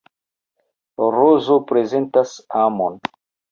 Rozo prezentas amon.